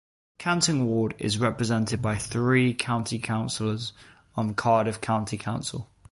Canton Ward is represented by three County Councillors on Cardiff County Council.